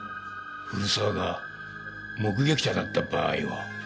古沢が目撃者だった場合は？